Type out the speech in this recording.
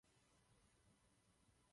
Morley později změní názor a Reeda opustí.